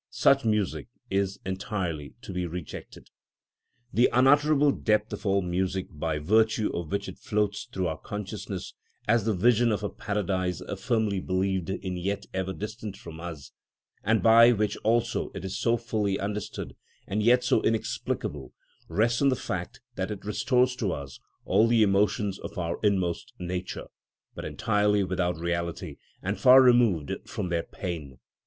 Such music is entirely to be rejected. The unutterable depth of all music by virtue of which it floats through our consciousness as the vision of a paradise firmly believed in yet ever distant from us, and by which also it is so fully understood and yet so inexplicable, rests on the fact that it restores to us all the emotions of our inmost nature, but entirely without reality and far removed from their pain.